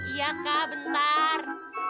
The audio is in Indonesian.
iya kak bentar